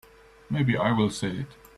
Maybe I will say it.